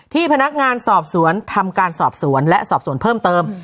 พนักงานสอบสวนทำการสอบสวนและสอบสวนเพิ่มเติม